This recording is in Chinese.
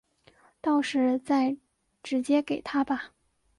到时再直接给他吧